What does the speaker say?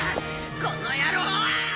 この野郎。